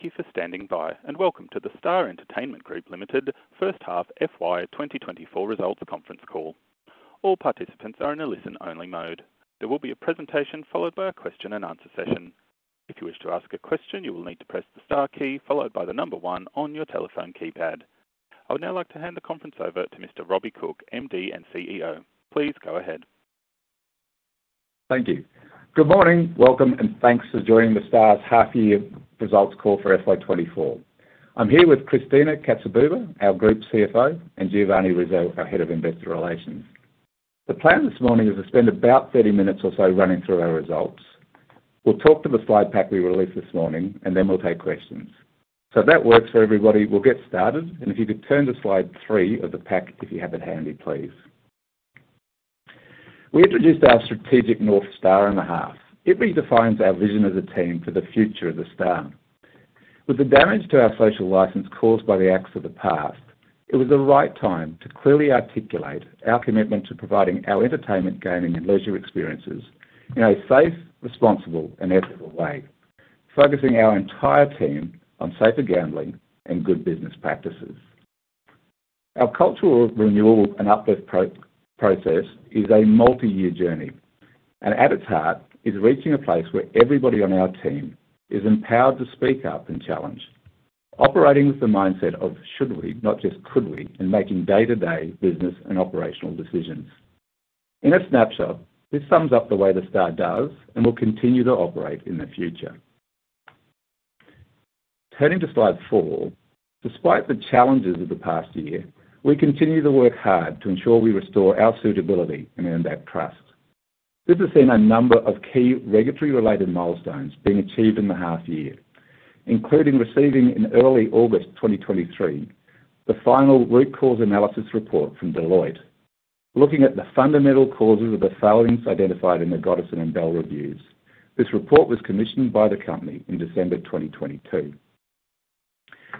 Thank you for standing by and welcome to the Star Entertainment Group Limited first-half FY 2024 results conference call. All participants are in a listen-only mode. There will be a presentation followed by a question-and-answer session. If you wish to ask a question, you will need to press the star key followed by the number 1 on your telephone keypad. I would now like to hand the conference over to Mr. Robbie Cooke, MD and CEO. Please go ahead. Thank you. Good morning, welcome, and thanks for joining the Star's half-year results call for FY24. I'm here with Christina Katsibouba, our Group CFO, and Giovanni Rizzo, our Head of Investor Relations. The plan this morning is to spend about 30 minutes or so running through our results. We'll talk through the slide pack we released this morning, and then we'll take questions. So if that works for everybody, we'll get started, and if you could turn to slide 3 of the pack if you have it handy, please. We introduced our strategic North Star in the half. It redefines our vision as a team for the future of the Star. With the damage to our social license caused by the acts of the past, it was the right time to clearly articulate our commitment to providing our entertainment, gaming, and leisure experiences in a safe, responsible, and ethical way, focusing our entire team on safer gambling and good business practices. Our cultural renewal and uplift process is a multi-year journey, and at its heart is reaching a place where everybody on our team is empowered to speak up and challenge, operating with the mindset of should we, not just could we, in making day-to-day business and operational decisions. In a snapshot, this sums up the way the Star does and will continue to operate in the future. Turning to slide 4, despite the challenges of the past year, we continue to work hard to ensure we restore our suitability and earn back trust. This has seen a number of key regulatory-related milestones being achieved in the half-year, including receiving in early August 2023 the final root cause analysis report from Deloitte, looking at the fundamental causes of the failings identified in the Gotterson and Bell reviews. This report was commissioned by the company in December 2022.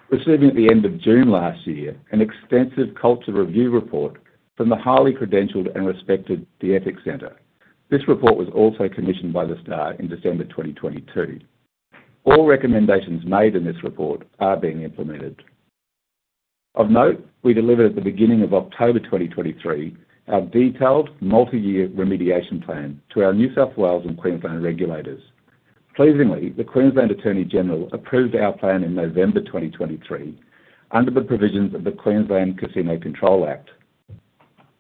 Receiving at the end of June last year, an extensive culture review report from the highly credentialed and respected The Ethics Centre. This report was also commissioned by the Star in December 2022. All recommendations made in this report are being implemented. Of note, we delivered at the beginning of October 2023 our detailed multi-year remediation plan to our New South Wales and Queensland regulators. Pleasingly, the Queensland Attorney General approved our plan in November 2023 under the provisions of the Queensland Casino Control Act.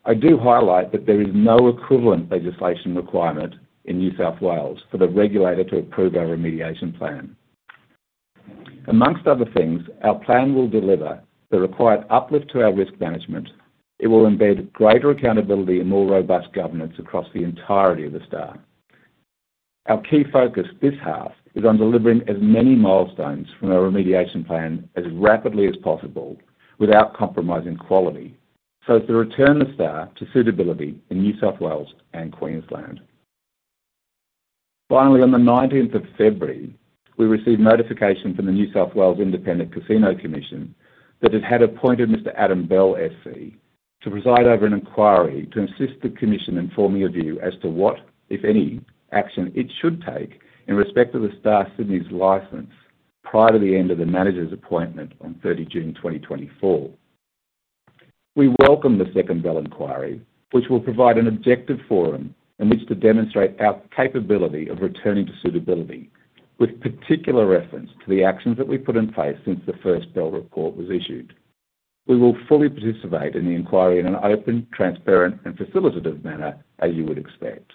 I do highlight that there is no equivalent legislation requirement in New South Wales for the regulator to approve our remediation plan. Among other things, our plan will deliver the required uplift to our risk management. It will embed greater accountability and more robust governance across the entirety of the Star. Our key focus this half is on delivering as many milestones from our remediation plan as rapidly as possible without compromising quality so as to return the Star to suitability in New South Wales and Queensland. Finally, on the 19th of February, we received notification from the New South Wales Independent Casino Commission that it had appointed Mr. Adam Bell SC to preside over an inquiry to assist the Commission in forming a view as to what, if any, action it should take in respect of the Star Sydney's license prior to the end of the manager's appointment on 30 June 2024. We welcome the second Bell inquiry, which will provide an objective forum in which to demonstrate our capability of returning to suitability with particular reference to the actions that we put in place since the first Bell report was issued. We will fully participate in the inquiry in an open, transparent, and facilitative manner as you would expect.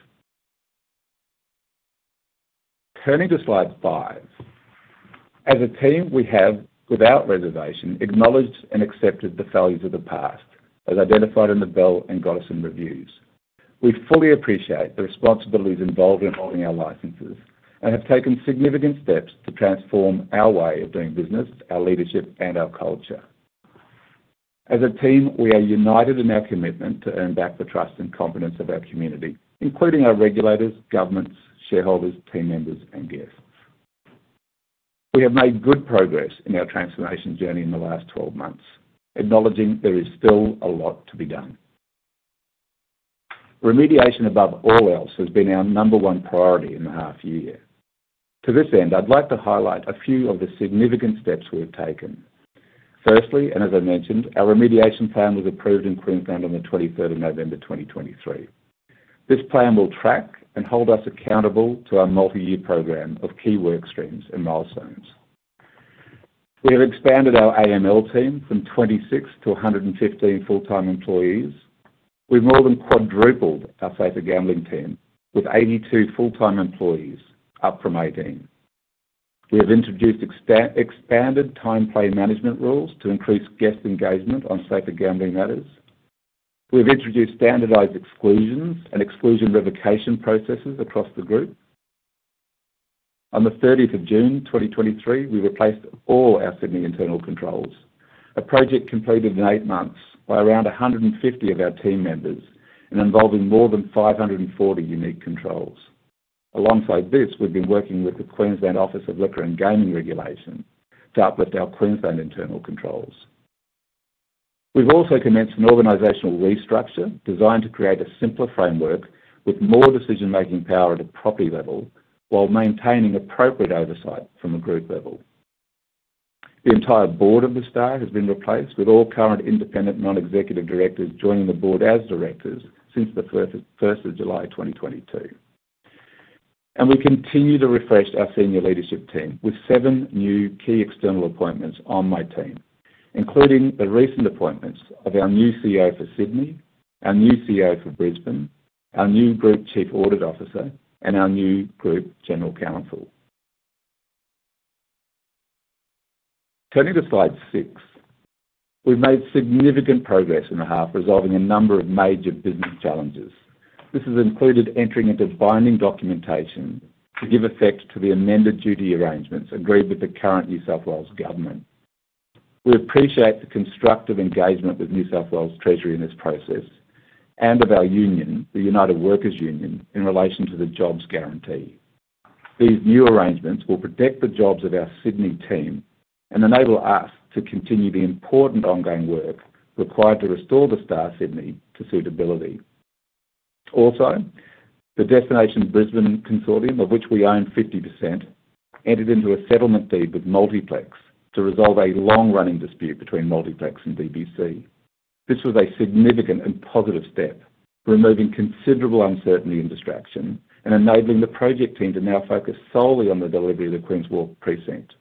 Turning to slide five, as a team, we have, without reservation, acknowledged and accepted the failures of the past as identified in the Bell and Goddison reviews. We fully appreciate the responsibilities involved in holding our licenses and have taken significant steps to transform our way of doing business, our leadership, and our culture. As a team, we are united in our commitment to earn back the trust and confidence of our community, including our regulators, governments, shareholders, team members, and guests. We have made good progress in our transformation journey in the last 12 months, acknowledging there is still a lot to be done. Remediation, above all else, has been our number one priority in the half-year. To this end, I'd like to highlight a few of the significant steps we have taken. Firstly, and as I mentioned, our remediation plan was approved in Queensland on the 23rd of November 2023. This plan will track and hold us accountable to our multi-year program of key work streams and milestones. We have expanded our AML team from 26 to 115 full-time employees. We've more than quadrupled our safer gambling team with 82 full-time employees up from 18. We have introduced expanded time-play management rules to increase guest engagement on safer gambling matters. We have introduced standardized exclusions and exclusion revocation processes across the group. On the 30th of June 2023, we replaced all our Sydney internal controls, a project completed in eight months by around 150 of our team members and involving more than 540 unique controls. Alongside this, we've been working with the Queensland Office of Liquor and Gaming Regulation to uplift our Queensland internal controls. We've also commenced an organizational restructure designed to create a simpler framework with more decision-making power at a property level while maintaining appropriate oversight from a group level. The entire board of The Star has been replaced with all current independent non-executive directors joining the board as directors since the 1st of July 2022. We continue to refresh our senior leadership team with seven new key external appointments on my team, including the recent appointments of our new CEO for Sydney, our new CEO for Brisbane, our new Group Chief Audit Officer, and our new Group General Counsel. Turning to slide six, we've made significant progress in the half resolving a number of major business challenges. This has included entering into binding documentation to give effect to the amended duty arrangements agreed with the current New South Wales government. We appreciate the constructive engagement with New South Wales Treasury in this process and of our union, the United Workers' Union, in relation to the jobs guarantee. These new arrangements will protect the jobs of our Sydney team and enable us to continue the important ongoing work required to restore the Star Sydney to suitability. Also, the Destination Brisbane Consortium, of which we own 50%, entered into a settlement deed with Multiplex to resolve a long-running dispute between Multiplex and DBC. This was a significant and positive step, removing considerable uncertainty and distraction and enabling the project team to now focus solely on the delivery of the Queen's Wharf precinct,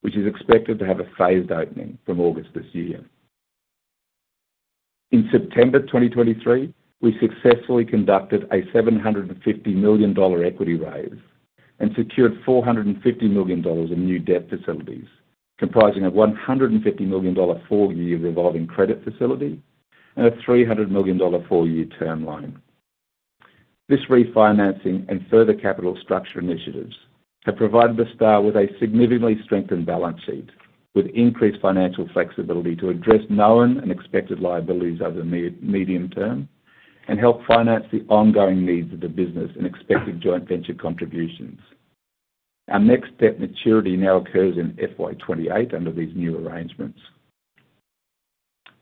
which is expected to have a phased opening from August this year. In September 2023, we successfully conducted a 750 million dollar equity raise and secured 450 million dollars in new debt facilities, comprising a 150 million dollar four-year revolving credit facility and a 300 million dollar four-year term loan. This refinancing and further capital structure initiatives have provided The Star with a significantly strengthened balance sheet with increased financial flexibility to address known and expected liabilities over the medium term and help finance the ongoing needs of the business and expected joint venture contributions. Our next step maturity now occurs in FY28 under these new arrangements.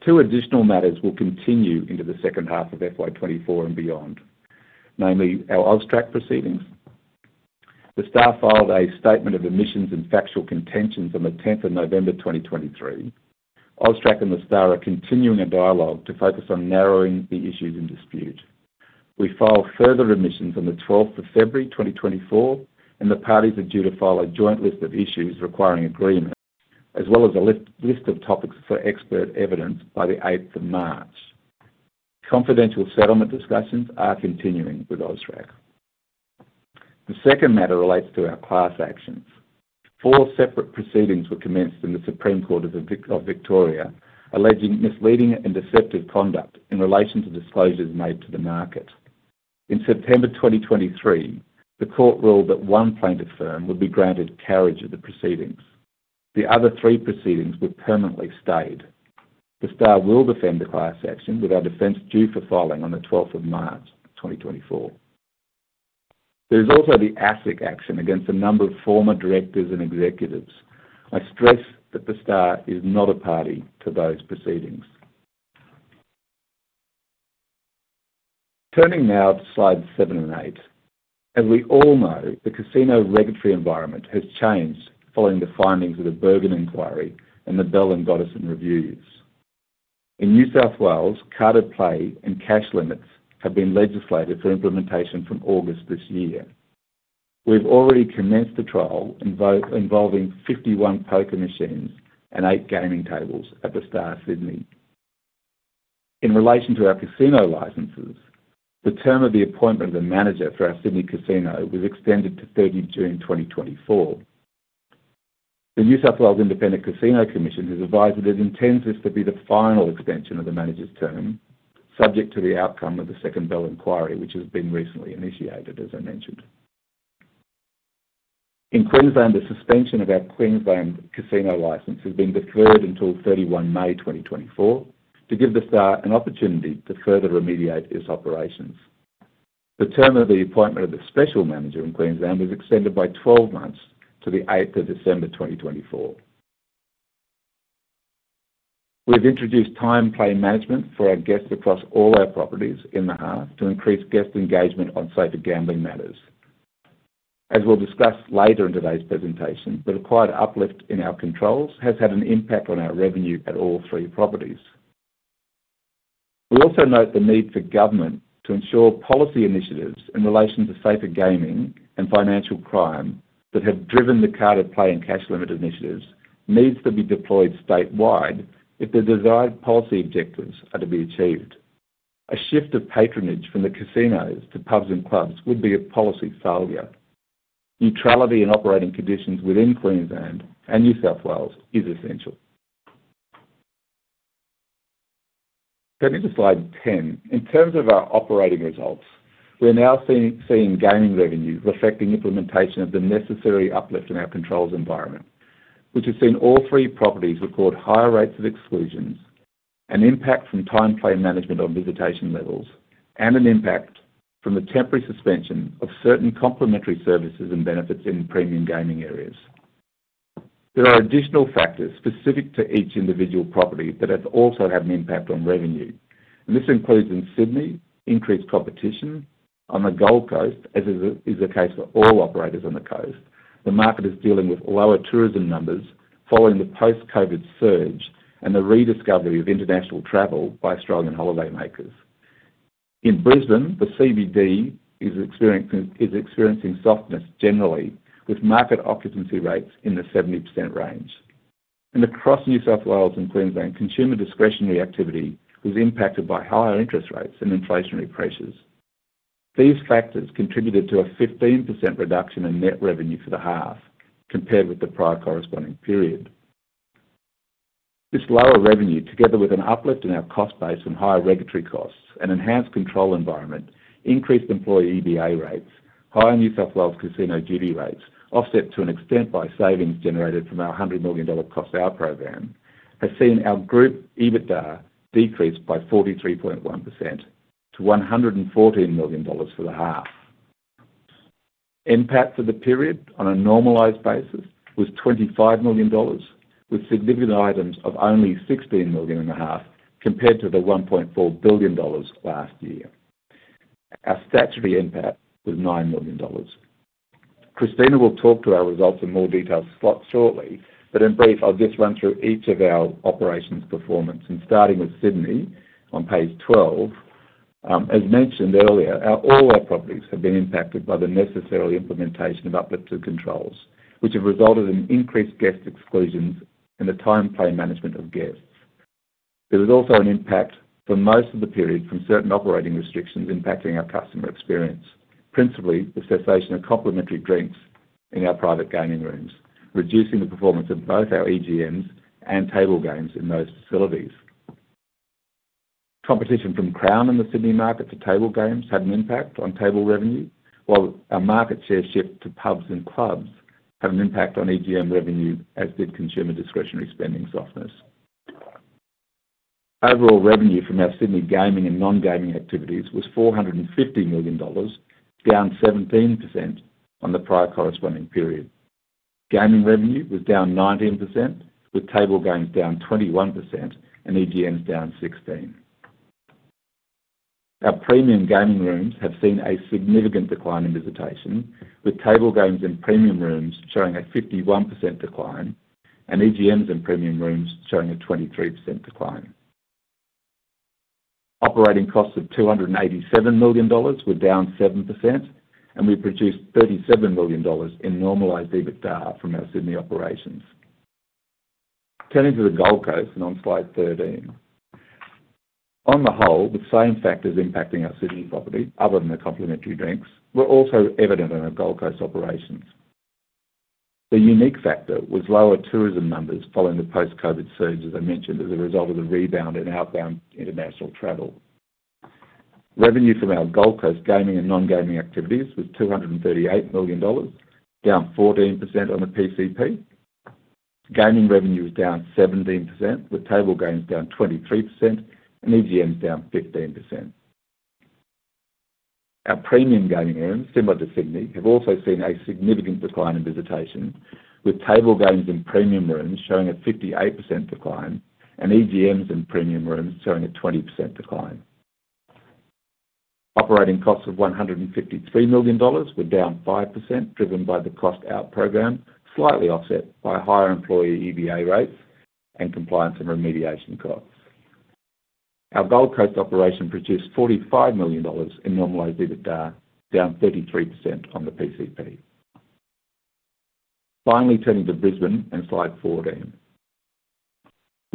Two additional matters will continue into the second half of FY24 and beyond, namely our AUSTRAC proceedings. The Star filed a statement of admissions and factual contentions on the 10th of November 2023. AUSTRAC and The Star are continuing a dialogue to focus on narrowing the issues in dispute. We file further admissions on the 12th of February 2024, and the parties are due to file a joint list of issues requiring agreement, as well as a list of topics for expert evidence by the 8th of March. Confidential settlement discussions are continuing with AUSTRAC. The second matter relates to our class actions. Four separate proceedings were commenced in the Supreme Court of Victoria alleging misleading and deceptive conduct in relation to disclosures made to the market. In September 2023, the court ruled that one plaintiff firm would be granted carriage of the proceedings. The other three proceedings were permanently stayed. The Star will defend the class action with our defense due for filing on the 12th of March 2024. There is also the ASIC action against a number of former directors and executives. I stress that The Star is not a party to those proceedings. Turning now to slides 7 and 8, as we all know, the casino regulatory environment has changed following the findings of the Bell Inquiry and the Bell and Goddison reviews. In New South Wales, carded play and cash limits have been legislated for implementation from August this year. We've already commenced a trial involving 51 poker machines and 8 gaming tables at The Star Sydney. In relation to our casino licenses, the term of the appointment of the manager for our Sydney casino was extended to 30 June 2024. The New South Wales Independent Casino Commission has advised that it intends this to be the final extension of the manager's term, subject to the outcome of the second Bell Inquiry, which has been recently initiated, as I mentioned. In Queensland, the suspension of our Queensland casino license has been deferred until 31 May 2024 to give The Star an opportunity to further remediate its operations. The term of the appointment of the special manager in Queensland was extended by 12 months to the 8th of December 2024. We've introduced Time-Play Management for our guests across all our properties in the half to increase guest engagement on Safer Gambling matters. As we'll discuss later in today's presentation, the required uplift in our controls has had an impact on our revenue at all three properties. We also note the need for government to ensure policy initiatives in relation to safer gaming and financial crime that have driven the Carded Play and cash limit initiatives needs to be deployed statewide if the desired policy objectives are to be achieved. A shift of patronage from the casinos to pubs and clubs would be a policy failure. Neutrality in operating conditions within Queensland and New South Wales is essential. Turning to slide 10, in terms of our operating results, we're now seeing gaming revenue reflecting implementation of the necessary uplift in our controls environment, which has seen all three properties record higher rates of exclusions, an impact from Time-Play Management on visitation levels, and an impact from the temporary suspension of certain complementary services and benefits in premium gaming areas. There are additional factors specific to each individual property that have also had an impact on revenue, and this includes, in Sydney, increased competition on the Gold Coast, as is the case for all operators on the coast. The market is dealing with lower tourism numbers following the post-COVID surge and the rediscovery of international travel by Australian holiday makers. In Brisbane, the CBD is experiencing softness generally, with market occupancy rates in the 70% range. Across New South Wales and Queensland, consumer discretionary activity was impacted by higher interest rates and inflationary pressures. These factors contributed to a 15% reduction in net revenue for the half compared with the prior corresponding period. This lower revenue, together with an uplift in our cost base and higher regulatory costs and enhanced control environment, increased employee EBA rates, higher New South Wales casino duty rates, offset to an extent by savings generated from our 100 million dollar cost-out program, has seen our group EBITDA decrease by 43.1% to 114 million dollars for the half. Impact for the period on a normalized basis was 25 million dollars, with significant items of only 16 million in the half compared to the 1.4 billion dollars last year. Our statutory impact was 9 million dollars. Christina will talk to our results in more detail shortly, but in brief, I'll just run through each of our operations performance. Starting with Sydney on page 12, as mentioned earlier, all our properties have been impacted by the necessary implementation of uplifted controls, which have resulted in increased guest exclusions and the time-play management of guests. There was also an impact for most of the period from certain operating restrictions impacting our customer experience, principally the cessation of complementary drinks in our private gaming rooms, reducing the performance of both our EGMs and table games in those facilities. Competition from Crown in the Sydney market to table games had an impact on table revenue, while our market share shift to pubs and clubs had an impact on EGM revenue as did consumer discretionary spending softness. Overall revenue from our Sydney gaming and non-gaming activities was 450 million dollars, down 17% on the prior corresponding period. Gaming revenue was down 19%, with table games down 21% and EGMs down 16%. Our premium gaming rooms have seen a significant decline in visitation, with table games and premium rooms showing a 51% decline and EGMs and premium rooms showing a 23% decline. Operating costs of 287 million dollars were down 7%, and we produced 37 million dollars in normalised EBITDA from our Sydney operations. Turning to the Gold Coast and on slide 13, on the whole, the same factors impacting our Sydney property, other than the complementary drinks, were also evident in our Gold Coast operations. The unique factor was lower tourism numbers following the post-COVID surge, as I mentioned, as a result of the rebound in outbound international travel. Revenue from our Gold Coast gaming and non-gaming activities was 238 million dollars, down 14% on the PCP. Gaming revenue was down 17%, with table games down 23% and EGMs down 15%. Our premium gaming rooms, similar to Sydney, have also seen a significant decline in visitation, with table games and premium rooms showing a 58% decline and EGMs and premium rooms showing a 20% decline. Operating costs of 153 million dollars were down 5%, driven by the cost-out program, slightly offset by higher employee EBA rates and compliance and remediation costs. Our Gold Coast operation produced 45 million dollars in normalized EBITDA, down 33% on the PCP. Finally, turning to Brisbane and slide 14,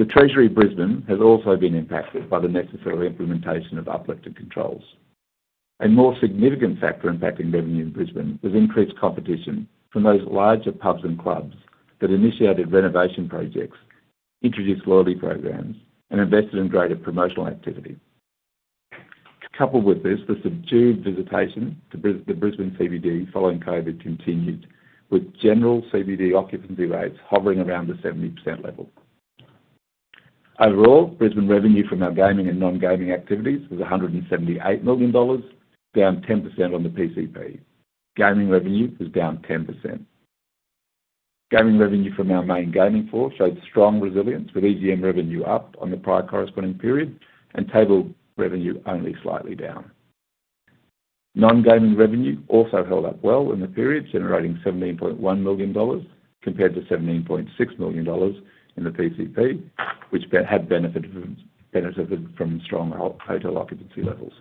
Treasury Brisbane has also been impacted by the necessary implementation of uplifted controls. A more significant factor impacting revenue in Brisbane was increased competition from those larger pubs and clubs that initiated renovation projects, introduced loyalty programs, and invested in greater promotional activity. Coupled with this, the subdued visitation to the Brisbane CBD following COVID continued, with general CBD occupancy rates hovering around the 70% level. Overall, Brisbane revenue from our gaming and non-gaming activities was 178 million dollars, down 10% on the PCP. Gaming revenue was down 10%. Gaming revenue from our main gaming floor showed strong resilience, with EGM revenue up on the prior corresponding period and table revenue only slightly down. Non-gaming revenue also held up well in the period, generating AUD 17.1 million compared to AUD 17.6 million in the PCP, which had benefited from strong hotel occupancy levels.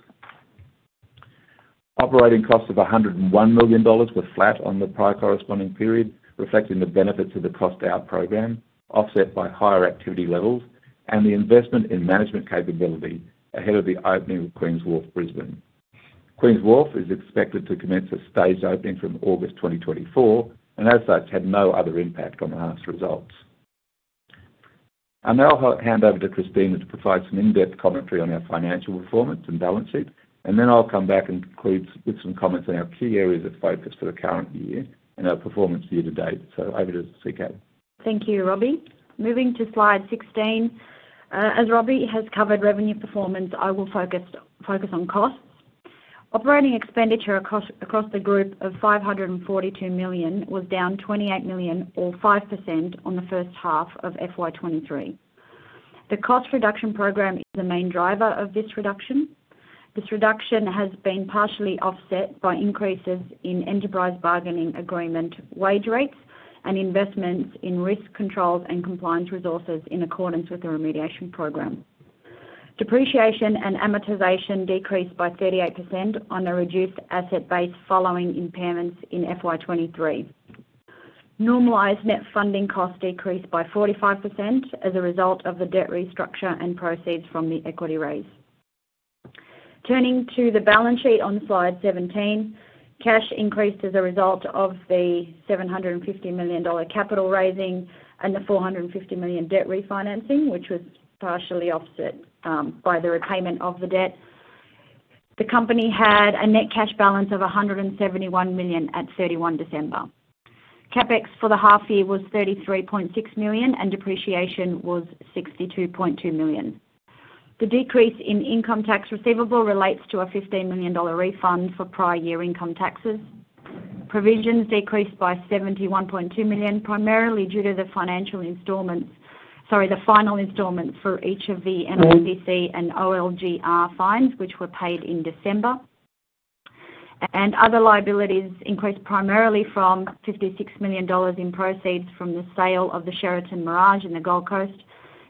Operating costs of 101 million dollars were flat on the prior corresponding period, reflecting the benefits of the cost-out program, offset by higher activity levels, and the investment in management capability ahead of the opening of Queen's Wharf Brisbane. Queen's Wharf Brisbane is expected to commence a staged opening from August 2024 and, as such, had no other impact on the half's results. I'll now hand over to Christina to provide some in-depth commentary on our financial performance and balance sheet, and then I'll come back and conclude with some comments on our key areas of focus for the current year and our performance year to date. So over to Christina. Thank you, Robbie. Moving to slide 16, as Robbie has covered revenue performance, I will focus on costs. Operating expenditure across the group of 542 million was down 28 million, or 5%, on the first half of FY23. The cost reduction program is the main driver of this reduction. This reduction has been partially offset by increases in enterprise bargaining agreement wage rates and investments in risk controls and compliance resources in accordance with the remediation program. Depreciation and amortization decreased by 38% on a reduced asset base following impairments in FY23. Normalised net funding costs decreased by 45% as a result of the debt restructure and proceeds from the equity raise. Turning to the balance sheet on slide 17, cash increased as a result of the 750 million dollar capital raising and the 450 million debt refinancing, which was partially offset by the repayment of the debt. The company had a net cash balance of 171 million at 31 December. CapEx for the half year was 33.6 million, and depreciation was 62.2 million. The decrease in income tax receivable relates to a 15 million dollar refund for prior year income taxes. Provisions decreased by 71.2 million, primarily due to the financial installments sorry, the final installments for each of the NICC and OLGR fines, which were paid in December. Other liabilities increased primarily from 56 million dollars in proceeds from the sale of the Sheraton Mirage in the Gold Coast.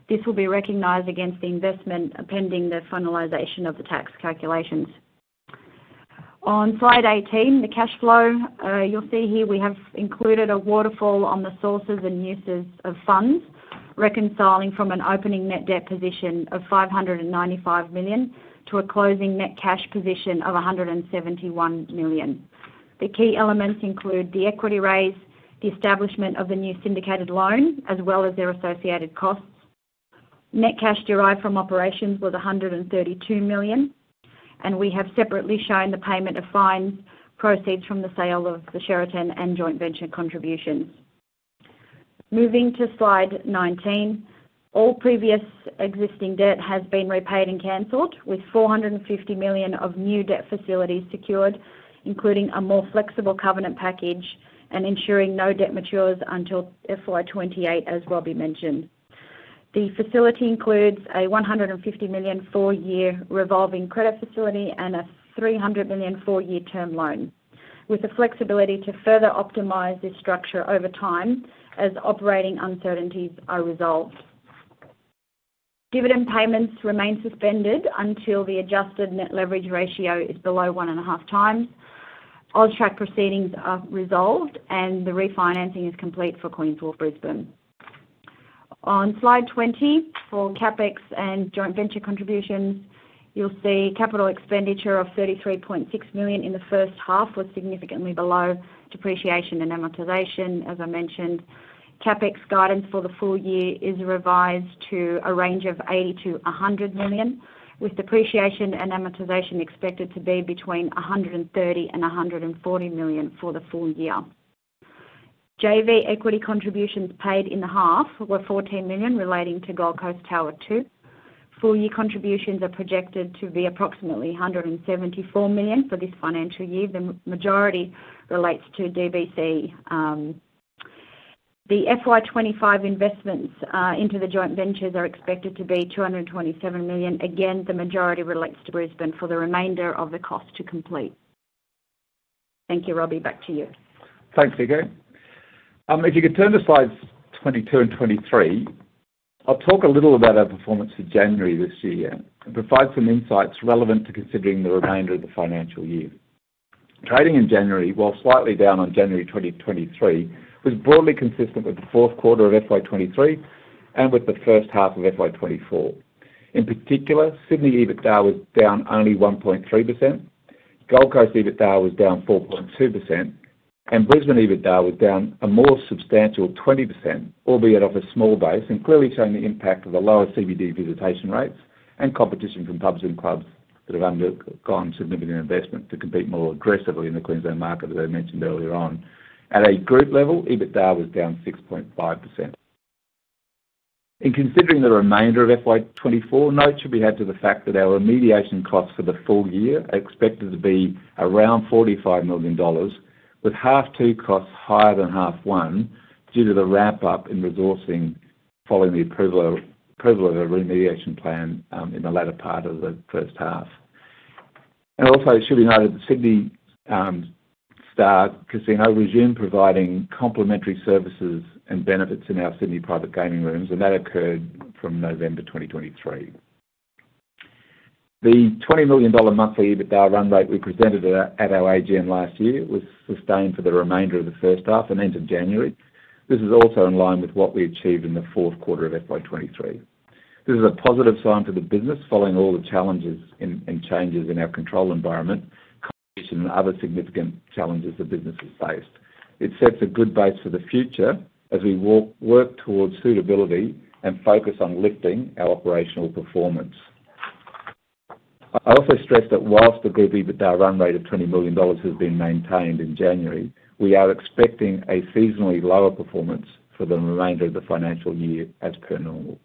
This will be recognized against the investment pending the finalization of the tax calculations. On slide 18, the cash flow, you'll see here we have included a waterfall on the sources and uses of funds, reconciling from an opening net debt position of 595 million to a closing net cash position of 171 million. The key elements include the equity raise, the establishment of the new syndicated loan, as well as their associated costs. Net cash derived from operations was 132 million, and we have separately shown the payment of fines, proceeds from the sale of the Sheraton and joint venture contributions. Moving to slide 19, all previous existing debt has been repaid and canceled, with 450 million of new debt facilities secured, including a more flexible covenant package and ensuring no debt matures until FY28, as Robbie mentioned. The facility includes a 150 million four-year revolving credit facility and a 300 million four-year term loan, with the flexibility to further optimize this structure over time as operating uncertainties are resolved. Dividend payments remain suspended until the adjusted net leverage ratio is below one and a half times. OzTrack proceedings are resolved, and the refinancing is complete for Queen's Wharf Brisbane. On slide 20, for CapEx and joint venture contributions, you'll see capital expenditure of 33.6 million in the first half was significantly below depreciation and amortization, as I mentioned. CapEx guidance for the full year is revised to a range of 80 million-100 million, with depreciation and amortization expected to be between 130 million and 140 million for the full year. JV equity contributions paid in the half were 14 million, relating to Gold Coast Tower 2. Full year contributions are projected to be approximately 174 million for this financial year. The majority relates to DBC. The FY25 investments into the joint ventures are expected to be 227 million. Again, the majority relates to Brisbane for the remainder of the cost to complete. Thank you, Robbie. Back to you. Thanks, Christina. If you could turn to slides 22 and 23, I'll talk a little about our performance for January this year and provide some insights relevant to considering the remainder of the financial year. Trading in January, while slightly down on January 2023, was broadly consistent with the fourth quarter of FY23 and with the first half of FY24. In particular, Sydney EBITDA was down only 1.3%, Gold Coast EBITDA was down 4.2%, and Brisbane EBITDA was down a more substantial 20%, albeit off a small base, and clearly showing the impact of the lower CBD visitation rates and competition from pubs and clubs that have undergone significant investment to compete more aggressively in the Queensland market, as I mentioned earlier on. At a group level, EBITDA was down 6.5%. In considering the remainder of FY24, note should be had to the fact that our remediation costs for the full year are expected to be around 45 million dollars, with half two costs higher than half one due to the ramp-up in resourcing following the approval of a remediation plan in the latter part of the first half. Also, it should be noted that Sydney Star Casino, resumed providing complementary services and benefits in our Sydney private gaming rooms, and that occurred from November 2023. The 20 million dollar monthly EBITDA run rate we presented at our AGM last year was sustained for the remainder of the first half and end of January. This is also in line with what we achieved in the fourth quarter of FY23. This is a positive sign for the business following all the challenges and changes in our control environment, competition, and other significant challenges the business has faced. It sets a good base for the future as we work towards suitability and focus on lifting our operational performance. I also stress that while the group EBITDA run rate of 20 million dollars has been maintained in January, we are expecting a seasonally lower performance for the remainder of the financial year as per normal.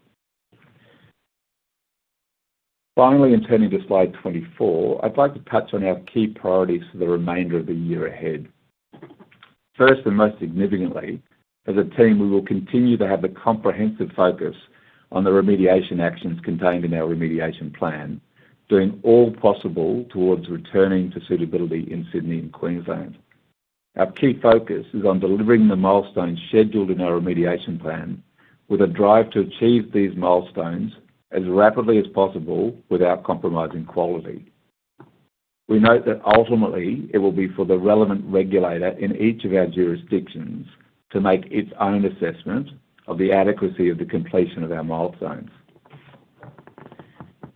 Finally, and turning to slide 24, I'd like to touch on our key priorities for the remainder of the year ahead. First and most significantly, as a team, we will continue to have the comprehensive focus on the remediation actions contained in our remediation plan, doing all possible towards returning to suitability in Sydney and Queensland. Our key focus is on delivering the milestones scheduled in our Remediation Plan with a drive to achieve these milestones as rapidly as possible without compromising quality. We note that ultimately, it will be for the relevant regulator in each of our jurisdictions to make its own assessment of the adequacy of the completion of our milestones.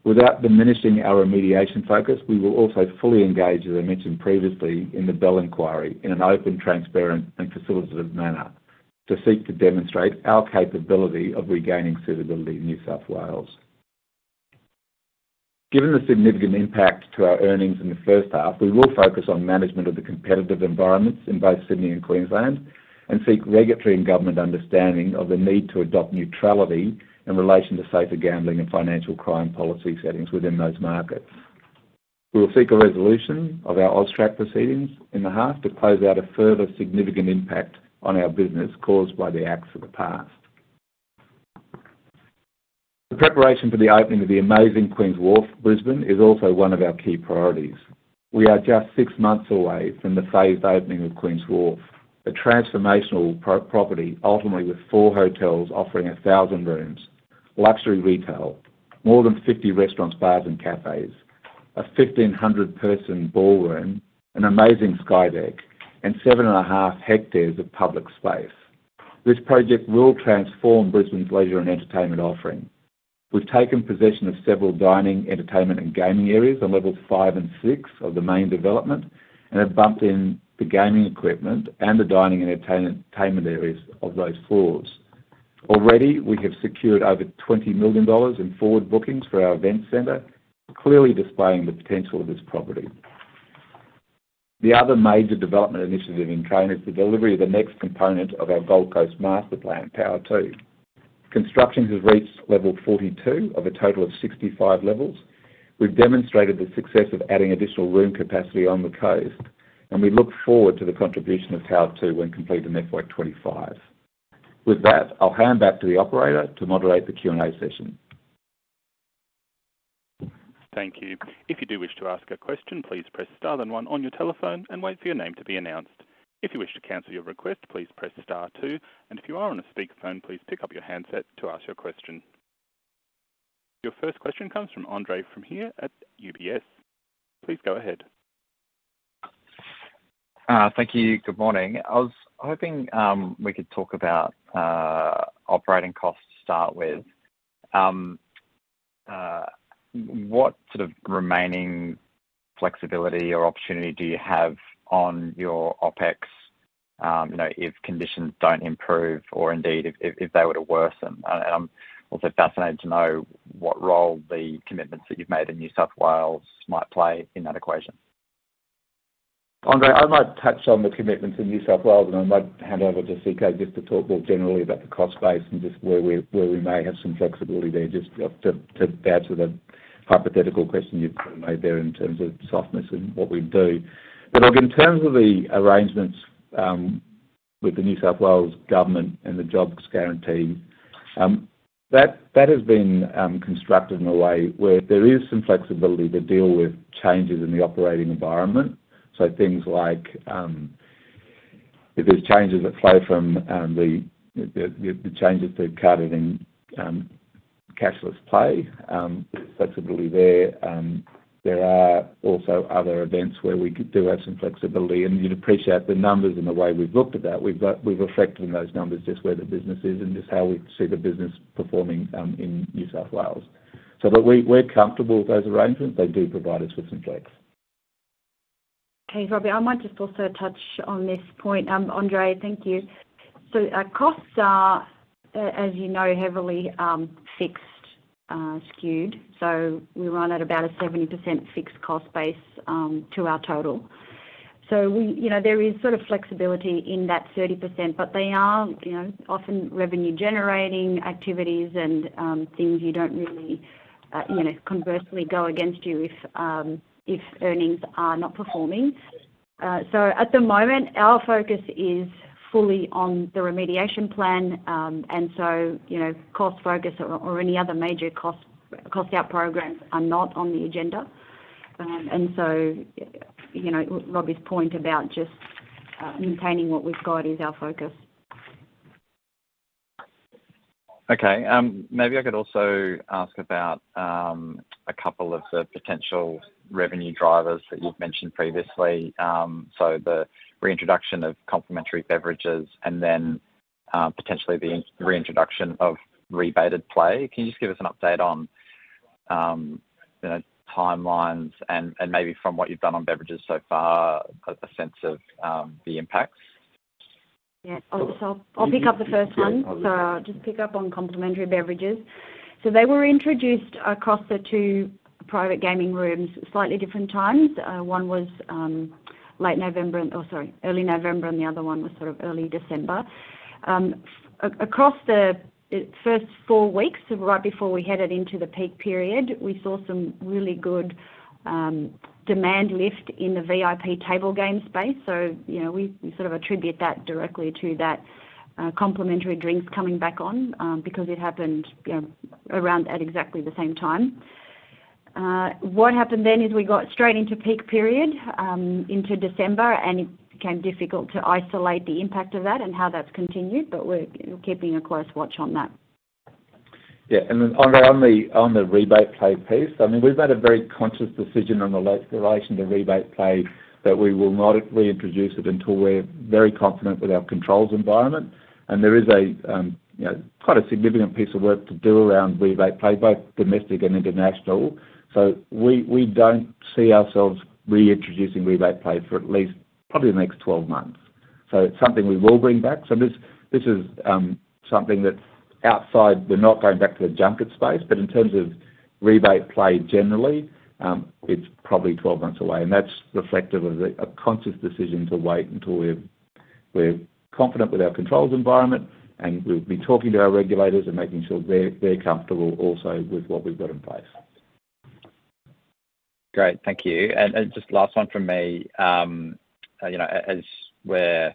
Without diminishing our remediation focus, we will also fully engage, as I mentioned previously, in the Bell Inquiry in an open, transparent, and facilitative manner to seek to demonstrate our capability of regaining suitability in New South Wales. Given the significant impact to our earnings in the first half, we will focus on management of the competitive environments in both Sydney and Queensland and seek regulatory and government understanding of the need to adopt neutrality in relation to Safer Gambling and financial crime policy settings within those markets. We will seek a resolution of our OzTrack proceedings in the half to close out a further significant impact on our business caused by the acts of the past. The preparation for the opening of the amazing Queen's Wharf Brisbane is also one of our key priorities. We are just six months away from the phased opening of Queen's Wharf Brisbane, a transformational property ultimately with four hotels offering 1,000 rooms, luxury retail, more than 50 restaurants, bars, and cafes, a 1,500-person ballroom, an amazing Sky Deck, and 7.5 hectares of public space. This project will transform Brisbane's leisure and entertainment offering. We've taken possession of several dining, entertainment, and gaming areas on levels five and six of the main development and have bumped in the gaming equipment and the dining and entertainment areas of those floors. Already, we have secured over 20 million dollars in forward bookings for our event centre, clearly displaying the potential of this property. The other major development initiative in train is the delivery of the next component of our Gold Coast master plan, Tower 2. Construction has reached level 42 of a total of 65 levels. We've demonstrated the success of adding additional room capacity on the coast, and we look forward to the contribution of Tower 2 when completed in FY25. With that, I'll hand back to the operator to moderate the Q&A session. Thank you. If you do wish to ask a question, please press star then one on your telephone and wait for your name to be announced. If you wish to cancel your request, please press star two. And if you are on a speakerphone, please pick up your handset to ask your question. Your first question comes from Andre Fromyhr at UBS. Please go ahead. Thank you. Good morning. I was hoping we could talk about operating costs to start with. What sort of remaining flexibility or opportunity do you have on your OpEx if conditions don't improve or indeed if they were to worsen? And I'm also fascinated to know what role the commitments that you've made in New South Wales might play in that equation. Andre, I might touch on the commitments in New South Wales, and I might hand over to the CFO just to talk more generally about the cost base and just where we may have some flexibility there just to answer the hypothetical question you've made there in terms of softness and what we do. But look, in terms of the arrangements with the New South Wales government and the jobs guarantee, that has been constructed in a way where there is some flexibility to deal with changes in the operating environment. So things like if there's changes that flow from the changes to Carded Play and cashless play, there's flexibility there. There are also other events where we do have some flexibility. And you'd appreciate the numbers and the way we've looked at that. We've reflected in those numbers just where the business is and just how we see the business performing in New South Wales. So look, we're comfortable with those arrangements. They do provide us with some flex. Thanks, Robbie. I might just also touch on this point. Andre, thank you. So costs are, as you know, heavily fixed skewed. So we run at about a 70% fixed cost base to our total. So there is sort of flexibility in that 30%, but they are often revenue-generating activities and things you don't really conversely go against you if earnings are not performing. So at the moment, our focus is fully on the Remediation Plan, and so cost focus or any other major cost out programs are not on the agenda. And so Robbie's point about just maintaining what we've got is our focus. Okay. Maybe I could also ask about a couple of the potential revenue drivers that you've mentioned previously. So the reintroduction of complementary beverages and then potentially the reintroduction of rebate play. Can you just give us an update on timelines and maybe from what you've done on beverages so far, a sense of the impacts? Yeah. So I'll pick up the first one. So I'll just pick up on complementary beverages. So they were introduced across the two private gaming rooms, slightly different times. One was late November oh, sorry, early November, and the other one was sort of early December. Across the first four weeks, right before we headed into the peak period, we saw some really good demand lift in the VIP table game space. So we sort of attribute that directly to that complementary drinks coming back on because it happened around at exactly the same time. What happened then is we got straight into peak period into December, and it became difficult to isolate the impact of that and how that's continued. But we're keeping a close watch on that. Yeah. And then, Andre, on the rebate play piece, I mean, we've made a very conscious decision in relation to rebate play that we will not reintroduce it until we're very confident with our controls environment. There is quite a significant piece of work to do around rebate play, both domestic and international. We don't see ourselves reintroducing rebate play for at least probably the next 12 months. It's something we will bring back. This is something that's outside. We're not going back to the junket space. In terms of rebate play generally, it's probably 12 months away. That's reflective of a conscious decision to wait until we're confident with our controls environment, and we'll be talking to our regulators and making sure they're comfortable also with what we've got in place. Great. Thank you. Just last one from me. As we're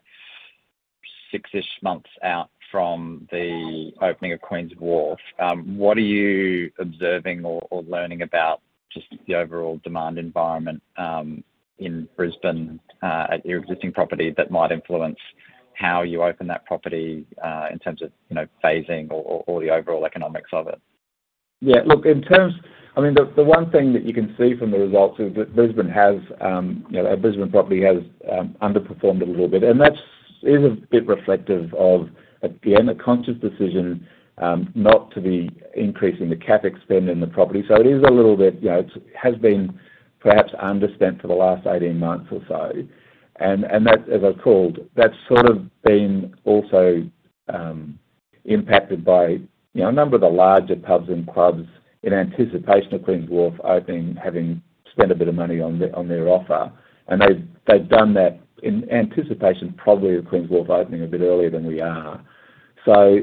six-ish months out from the opening of Queen's Wharf, what are you observing or learning about just the overall demand environment in Brisbane at your existing property that might influence how you open that property in terms of phasing or the overall economics of it? Yeah. Look, I mean, the one thing that you can see from the results is that Brisbane has our Brisbane property has underperformed a little bit. And that is a bit reflective of, again, a conscious decision not to be increasing the CapEx in the property. So it is a little bit it has been perhaps underspent for the last 18 months or so. And as I've called, that's sort of been also impacted by a number of the larger pubs and clubs in anticipation of Queen's Wharf having spent a bit of money on their offer. They've done that in anticipation probably of Queen's Wharf opening a bit earlier than we are. So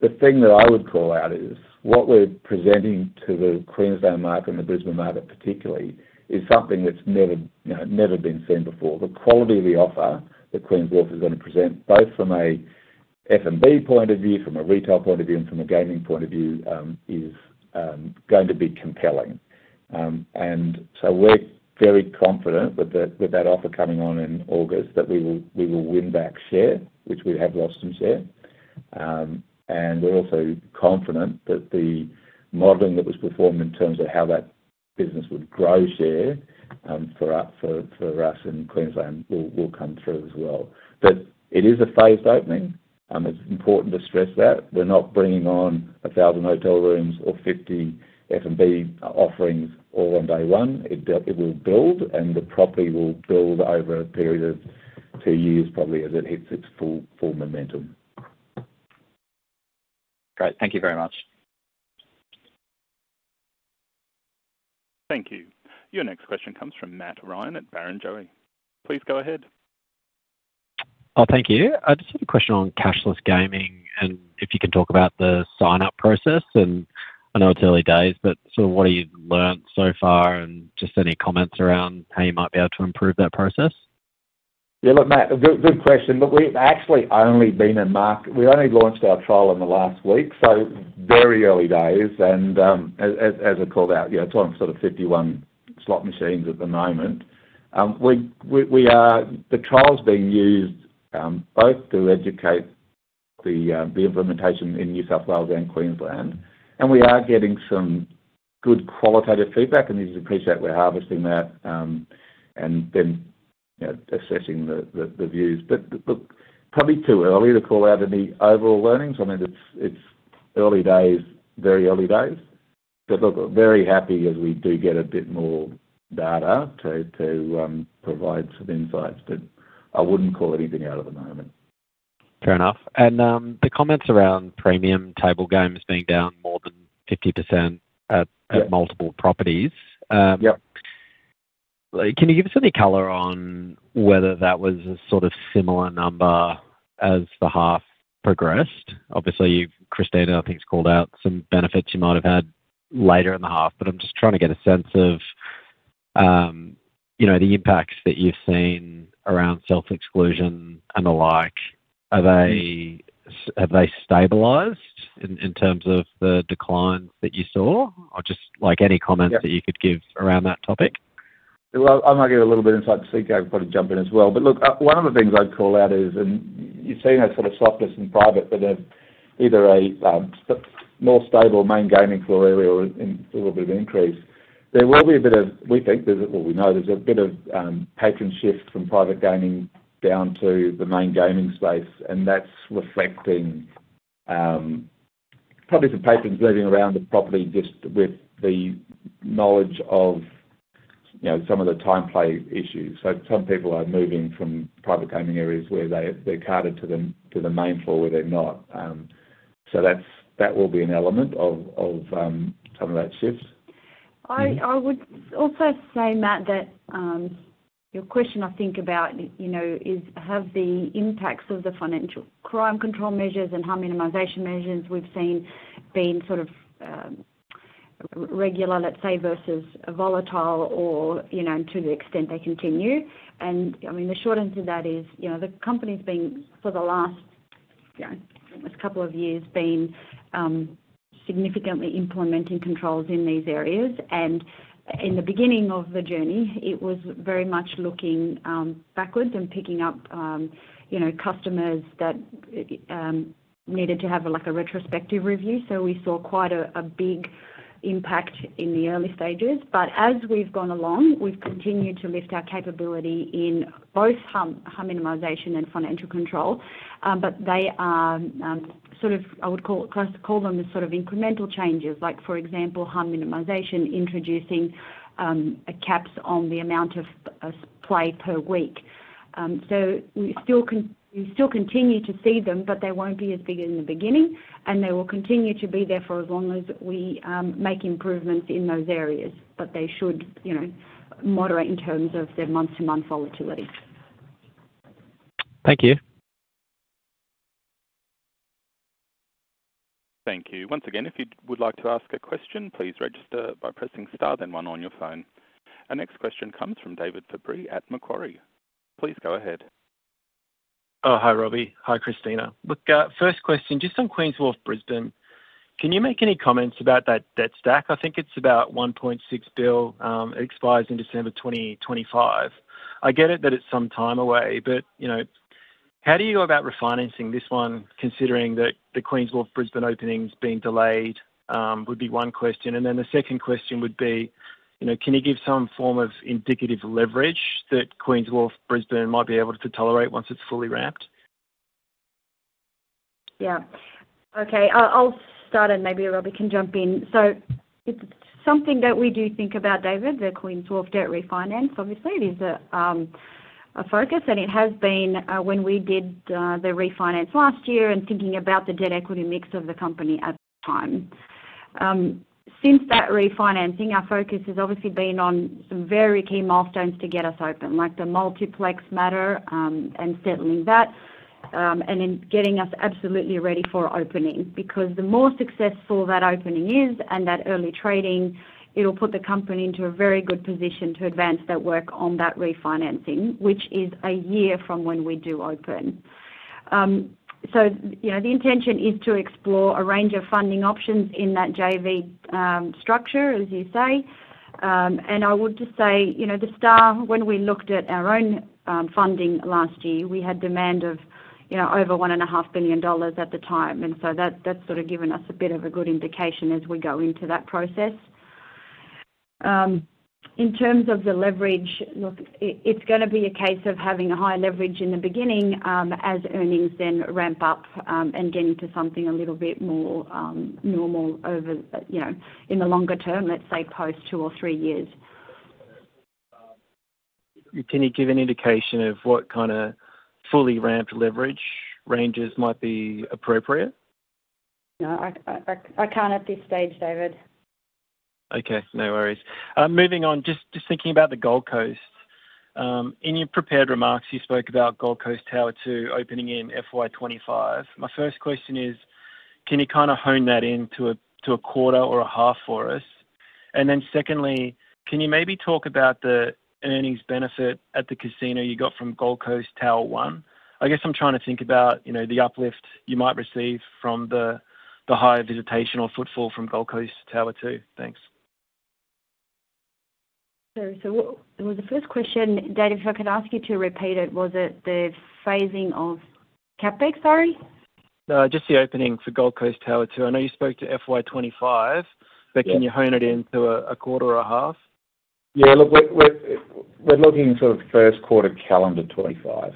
the thing that I would call out is what we're presenting to the Queensland market and the Brisbane market particularly is something that's never been seen before. The quality of the offer that Queen's Wharf is going to present, both from a F&B point of view, from a retail point of view, and from a gaming point of view, is going to be compelling. And so we're very confident with that offer coming on in August that we will win back share, which we have lost some share. And we're also confident that the modelling that was performed in terms of how that business would grow share for us in Queensland will come through as well. But it is a phased opening. It's important to stress that. We're not bringing on 1,000 hotel rooms or 50 F&B offerings all on day one. It will build, and the property will build over a period of two years probably as it hits its full momentum. Great. Thank you very much. Thank you. Your next question comes from Matt Ryan at Barrenjoey. Please go ahead. Oh, thank you. I just had a question on cashless gaming and if you can talk about the sign-up process. And I know it's early days, but sort of what have you learnt so far and just any comments around how you might be able to improve that process? Yeah. Look, Matt, good question. Look, we've actually only been in market. We've only launched our trial in the last week, so very early days. And as I called out, it's on sort of 51 slot machines at the moment. The trial's being used both to educate the implementation in New South Wales and Queensland. And we are getting some good qualitative feedback, and we appreciate we're harvesting that and then assessing the views. But look, probably too early to call out any overall learnings. I mean, it's early days, very early days. But look, very happy as we do get a bit more data to provide some insights. But I wouldn't call anything out at the moment. Fair enough. And the comments around premium table games being down more than 50% at multiple properties. Can you give us any color on whether that was a sort of similar number as the half progressed? Obviously, Christina, I think, has called out some benefits you might have had later in the half. But I'm just trying to get a sense of the impacts that you've seen around self-exclusion and the like. Have they stabilised in terms of the declines that you saw or just any comments that you could give around that topic? Well, I might give a little bit of insight to the CEO. I'll probably jump in as well. But look, one of the things I'd call out is, and you're seeing that sort of softness in private that have either a more stable main gaming floor area or a little bit of increase. We know there's a bit of patron shift from private gaming down to the main gaming space. And that's reflecting probably some patrons moving around the property just with the knowledge of some of the time play issues. So some people are moving from private gaming areas where they're carded to the main floor where they're not. So that will be an element of some of that shift. I would also say, Matt, that your question, I think, about is have the impacts of the financial crime control measures and harm minimization measures we've seen been sort of regular, let's say, versus volatile or to the extent they continue? And I mean, the short answer to that is the company's been, for the last almost couple of years, been significantly implementing controls in these areas. And in the beginning of the journey, it was very much looking backwards and picking up customers that needed to have a retrospective review. So we saw quite a big impact in the early stages. But as we've gone along, we've continued to lift our capability in both harm minimization and financial control. But they are sort of I would call them the sort of incremental changes. For example, harm minimisation, introducing caps on the amount of play per week. So we still continue to see them, but they won't be as big as in the beginning. And they will continue to be there for as long as we make improvements in those areas. But they should moderate in terms of their month-to-month volatility. Thank you. Thank you. Once again, if you would like to ask a question, please register by pressing star then one on your phone. Our next question comes from David Fabris at Macquarie. Please go ahead. Oh, hi, Robbie. Hi, Christina. Look, first question, just on Queen's Wharf Brisbane. Can you make any comments about that debt stack? I think it's about 1.6 billion. It expires in December 2025. I get it that it's some time away, but how do you go about refinancing this one considering that the Queen's Wharf Brisbane openings being delayed would be one question? And then the second question would be, can you give some form of indicative leverage that Queen's Wharf Brisbane might be able to tolerate once it's fully ramped? Yeah. Okay. I'll start, and maybe Robbie can jump in. So it's something that we do think about, David, the Queen's Wharf Brisbane debt refinance. Obviously, it is a focus. And it has been when we did the refinance last year and thinking about the debt equity mix of the company at the time. Since that refinancing, our focus has obviously been on some very key milestones to get us open, like the Multiplex matter and settling that and then getting us absolutely ready for opening. Because the more successful that opening is and that early trading, it'll put the company into a very good position to advance that work on that refinancing, which is a year from when we do open. So the intention is to explore a range of funding options in that JV structure, as you say. And I would just say The Star, when we looked at our own funding last year, we had demand of over 1.5 billion dollars at the time. And so that's sort of given us a bit of a good indication as we go into that process. In terms of the leverage, look, it's going to be a case of having a high leverage in the beginning as earnings then ramp up and getting to something a little bit more normal in the longer term, let's say, post two or three years. Can you give an indication of what kind of fully ramped leverage ranges might be appropriate? No. I can't at this stage, David. Okay. No worries. Moving on, just thinking about the Gold Coast. In your prepared remarks, you spoke about Gold Coast Tower 2 opening in FY25. My first question is, can you kind of hone that into a quarter or a half for us? And then secondly, can you maybe talk about the earnings benefit at the casino you got from Gold Coast Tower 1? I guess I'm trying to think about the uplift you might receive from the higher visitation or footfall from Gold Coast Tower 2. Thanks. Sure. So the first question, David, if I could ask you to repeat it, was it the phasing of capex, sorry? No, just the opening for Gold Coast Tower 2. I know you spoke to FY25, but can you hone it into a quarter or a half? Yeah. Look, we're looking sort of first quarter calendar 2025.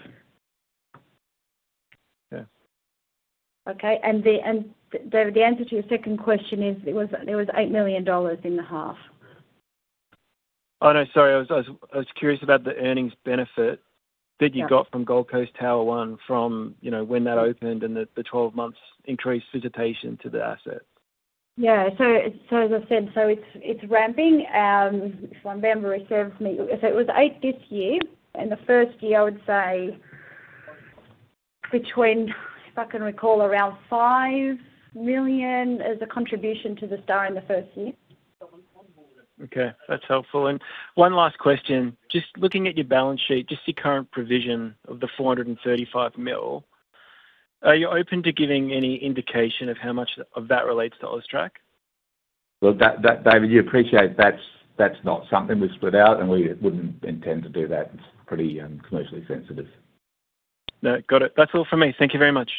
Okay. And David, the answer to your second question is there was 8 million dollars in the half. Oh, no. Sorry. I was curious about the earnings benefit that you got from Gold Coast Tower 1 from when that opened and the 12-month increased visitation to the assets. Yeah. So as I said, so it's ramping. If I remember, it serves me so it was 8 this year. And the first year, I would say, if I can recall, around 5 million as a contribution to The Star in the first year. Okay. That's helpful. And one last question. Just looking at your balance sheet, just your current provision of 435 million, are you open to giving any indication of how much of that relates to OzTrack? Look, David, you appreciate that's not something we split out, and we wouldn't intend to do that. It's pretty commercially sensitive. No. Got it. That's all from me. Thank you very much.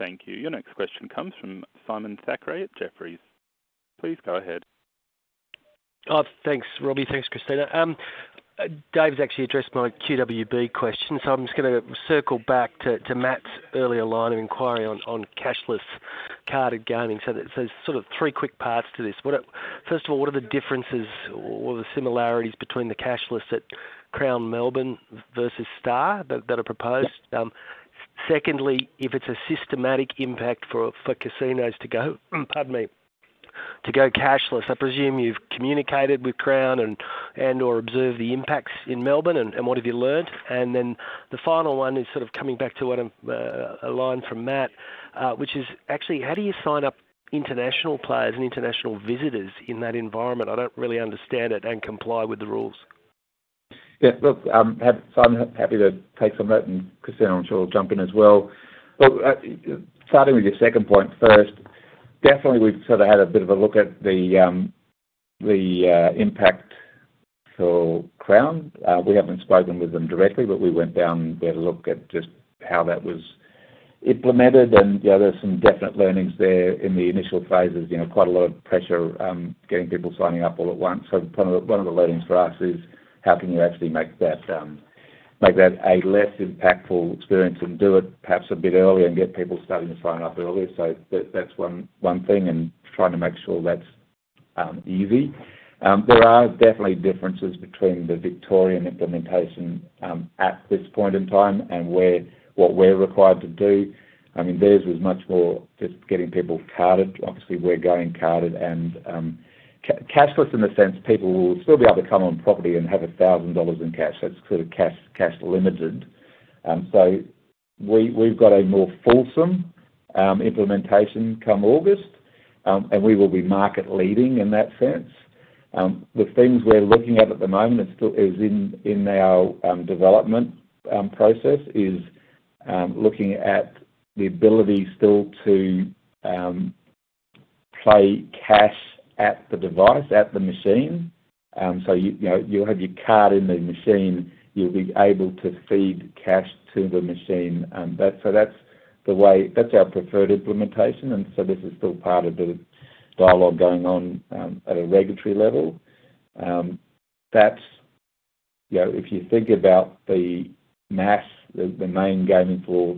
Thank you. Your next question comes from Simon Thackray at Jefferies. Please go ahead. Oh, thanks, Robbie. Thanks, Christina. David's actually addressed my QWB question. So I'm just going to circle back to Matt's earlier line of inquiry on cashless carded gaming. So there's sort of three quick parts to this. First of all, what are the differences or the similarities between the cashless at Crown Melbourne versus Star that are proposed? Secondly, if it's a systematic impact for casinos to go cashless, I presume you've communicated with Crown and/or observed the impacts in Melbourne. And what have you learned? And then the final one is sort of coming back to a line from Matt, which is actually, how do you sign up international players and international visitors in that environment? I don't really understand it and comply with the rules. Yeah. Look, I'm happy to take some note. And Christina, I'm sure I'll jump in as well. Look, starting with your second point first, definitely, we've sort of had a bit of a look at the impact for Crown. We haven't spoken with them directly, but we went down there to look at just how that was implemented. And there's some definite learnings there in the initial phases. Quite a lot of pressure getting people signing up all at once. So one of the learnings for us is how can you actually make that a less impactful experience and do it perhaps a bit earlier and get people starting to sign up earlier? So that's one thing and trying to make sure that's easy. There are definitely differences between the Victorian implementation at this point in time and what we're required to do. I mean, theirs was much more just getting people carded. Obviously, we're going carded. And cashless, in the sense, people will still be able to come on property and have 1,000 dollars in cash. That's sort of cash limited. So we've got a more fulsome implementation come August, and we will be market-leading in that sense. The things we're looking at at the moment is in our development process is looking at the ability still to play cash at the device, at the machine. So you'll have your card in the machine. You'll be able to feed cash to the machine. So that's our preferred implementation. And so this is still part of the dialogue going on at a regulatory level. If you think about the mass, the main gaming floor,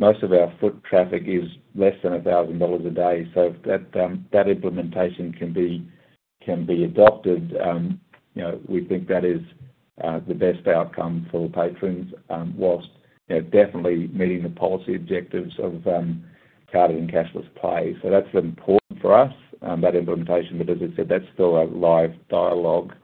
most of our foot traffic is less than 1,000 dollars a day. So if that implementation can be adopted, we think that is the best outcome for patrons while definitely meeting the policy objectives of carded and cashless play. So that's important for us, that implementation. But as I said, that's still a live dialogue.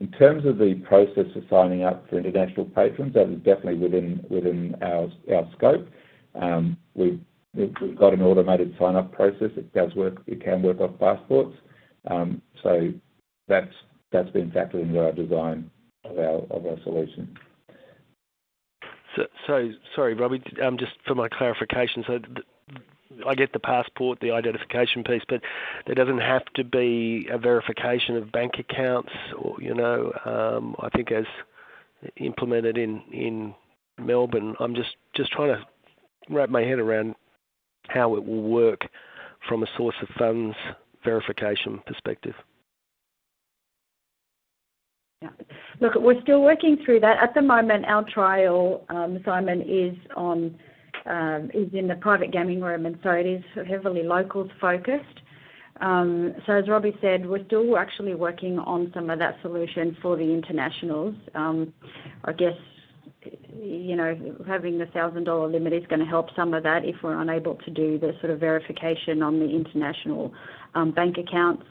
In terms of the process for signing up for international patrons, that is definitely within our scope. We've got an automated sign-up process. It can work off passports. So that's been factored into our design of our solution. Sorry, Robbie. Just for my clarification, so I get the passport, the identification piece, but there doesn't have to be a verification of bank accounts. I think as implemented in Melbourne, I'm just trying to wrap my head around how it will work from a source of funds verification perspective. Yeah. Look, we're still working through that. At the moment, our trial, Simon, is in the private gaming room. And so it is heavily locals-focused. So as Robbie said, we're still actually working on some of that solution for the internationals. I guess having the 1,000 dollar limit is going to help some of that if we're unable to do the sort of verification on the international bank accounts.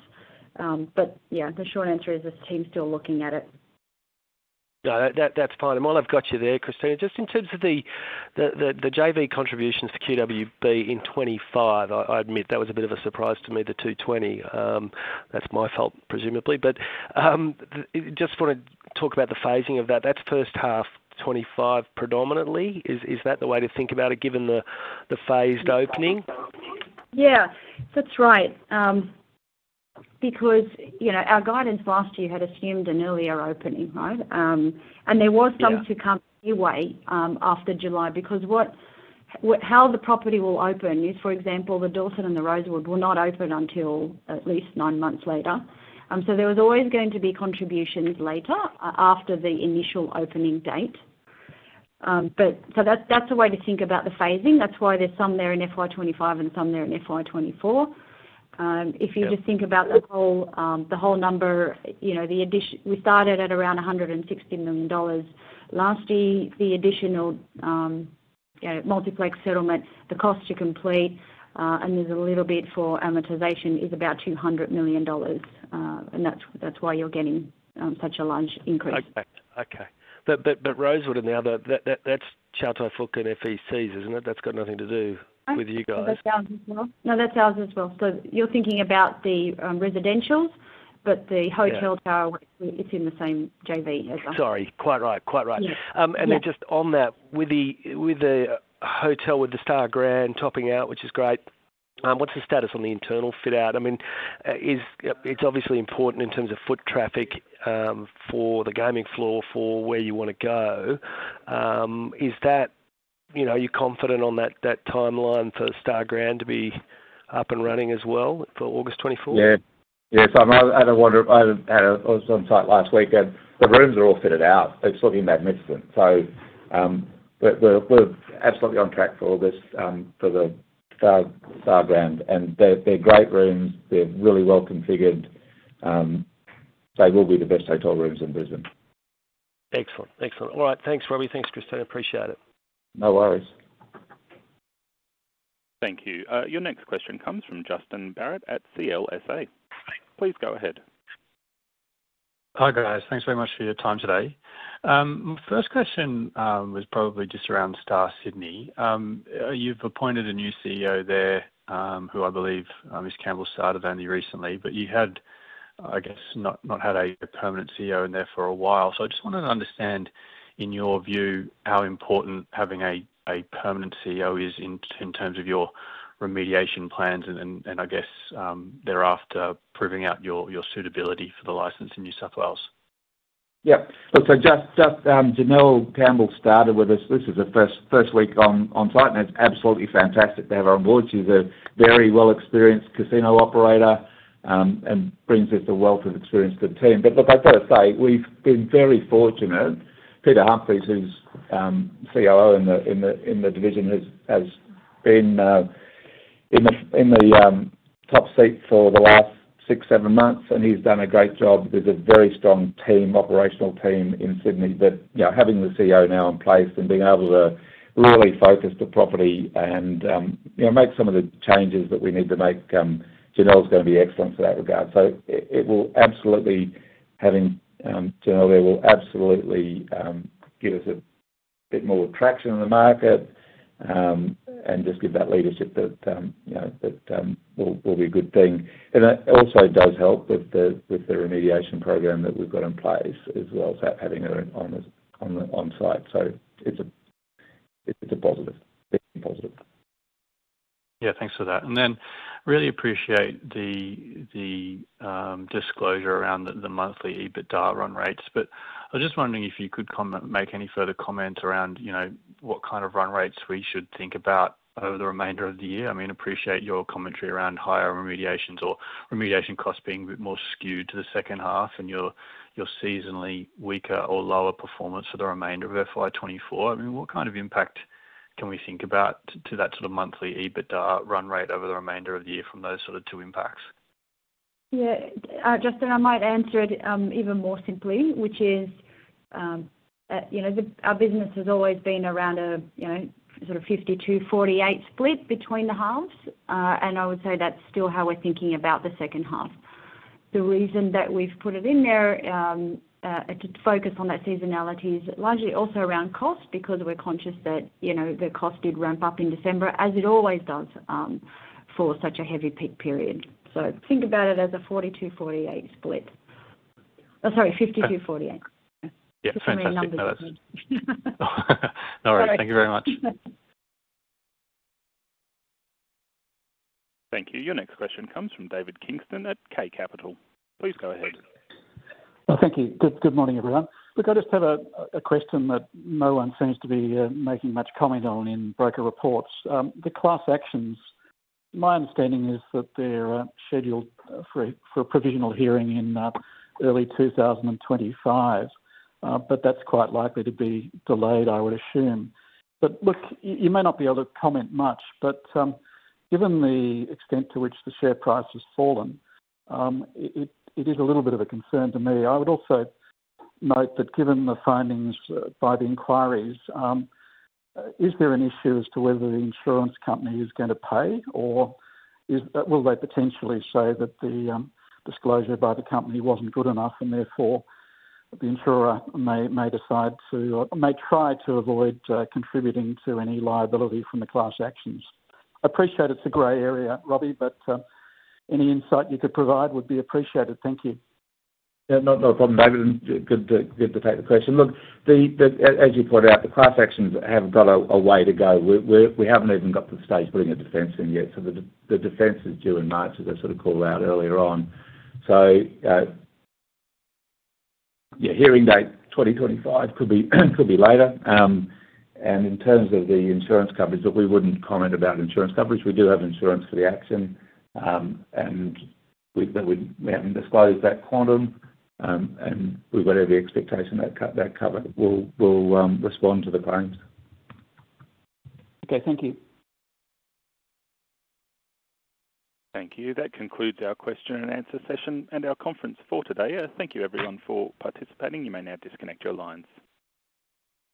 But yeah, the short answer is the team's still looking at it. No, that's fine. While I've got you there, Christina, just in terms of the JV contributions for QWB in 2025, I admit that was a bit of a surprise to me, the 220. That's my fault, presumably. But just want to talk about the phasing of that. That's first half 2025 predominantly. Is that the way to think about it given the phased opening? Yeah. That's right. Because our guidance last year had assumed an earlier opening, right? And there was some to come anyway after July. Because how the property will open is, for example, the Dorsett and the Rosewood will not open until at least nine months later. So there was always going to be contributions later after the initial opening date. So that's a way to think about the phasing. That's why there's some there in FY 2025 and some there in FY 2024. If you just think about the whole number, we started at around 160 million dollars. Last year, the additional Multiplex settlement, the cost to complete, and there's a little bit for amortization is about 200 million dollars. And that's why you're getting such a large increase. Okay. Okay. But Rosewood and the other, that's Chow Tai Fook and FEC's, isn't it? That's got nothing to do with you guys. No, that's ours as well. No, that's ours as well. So you're thinking about the residentials, but the hotel tower, it's in the same JV as us. Sorry. Quite right. Quite right. And then just on that, with the hotel, with the Star Grand topping out, which is great, what's the status on the internal fit-out? I mean, it's obviously important in terms of foot traffic for the gaming floor, for where you want to go. Are you confident on that timeline for Star Grand to be up and running as well for August 2024? Yeah. Yeah, Simon. I had a wander. I had a look on site last week. And the rooms are all fitted out. It's looking magnificent. So we're absolutely on track for August for the Star Grand. And they're great rooms. They're really well-configured. They will be the best hotel rooms in Brisbane. Excellent. Excellent. All right. Thanks, Robbie. Thanks, Christina. Appreciate it. No worries. Thank you. Your next question comes from Justin Barratt at CLSA. Please go ahead. Hi, guys. Thanks very much for your time today. My first question was probably just around Star Sydney. You've appointed a new CEO there who, I believe, Miss Campbell started only recently. But you had, I guess, not had a permanent CEO in there for a while. So I just wanted to understand, in your view, how important having a permanent CEO is in terms of your remediation plans and, I guess, thereafter, proving out your suitability for the license in New South Wales. Yep. Look, Janelle Campbell started with us. This is her first week on site. And it's absolutely fantastic to have her on board. She's a very well-experienced casino operator and brings us a wealth of experience to the team. But look, I've got to say, we've been very fortunate. Peter Humphreys, who's COO in the division, has been in the top seat for the last 6-7 months. And he's done a great job. There's a very strong operational team in Sydney that, having the CEO now in place and being able to really focus the property and make some of the changes that we need to make, Janelle's going to be excellent in that regard. So having Janelle there will absolutely give us a bit more traction in the market and just give that leadership that will be a good thing. And it also does help with the remediation program that we've got in place as well as having her on site. So it's a big positive. Yeah. Thanks for that. And then I really appreciate the disclosure around the monthly EBITDA run rates. But I was just wondering if you could make any further comment around what kind of run rates we should think about over the remainder of the year. I mean, appreciate your commentary around higher remediations or remediation costs being a bit more skewed to the second half and your seasonally weaker or lower performance for the remainder of FY24. I mean, what kind of impact can we think about to that sort of monthly EBITDA run rate over the remainder of the year from those sort of two impacts? Yeah. Justin, I might answer it even more simply, which is our business has always been around a sort of 52/48 split between the halves. And I would say that's still how we're thinking about the second half. The reason that we've put it in there to focus on that seasonality is largely also around cost because we're conscious that the cost did ramp up in December, as it always does for such a heavy peak period. So think about it as a 42/48 split. Oh, sorry, 52/48. Yeah. Fantastic numbers. No worries. Thank you very much. Thank you. Your next question comes from David Kingston at K Capital. Please go ahead. Well, thank you. Good morning, everyone. Look, I just have a question that no one seems to be making much comment on in broker reports. The class actions, my understanding is that they're scheduled for a provisional hearing in early 2025. But that's quite likely to be delayed, I would assume. But look, you may not be able to comment much. But given the extent to which the share price has fallen, it is a little bit of a concern to me. I would also note that given the findings by the inquiries, is there an issue as to whether the insurance company is going to pay? Or will they potentially say that the disclosure by the company wasn't good enough and therefore the insurer may try to avoid contributing to any liability from the class actions? I appreciate it's a gray area, Robbie, but any insight you could provide would be appreciated. Thank you. Yeah. No problem, David. Good to take the question. Look, as you pointed out, the class actions have got a way to go. We haven't even got to the stage putting a defense in yet. So the defense is due in March, as I sort of called out earlier on. So yeah, hearing date 2025 could be later. In terms of the insurance coverage, look, we wouldn't comment about insurance coverage. We do have insurance for the action. We haven't disclosed that quantum. We've got every expectation that cover will respond to the claims. Okay. Thank you. Thank you. That concludes our question-and-answer session and our conference for today. Thank you, everyone, for participating. You may now disconnect your lines.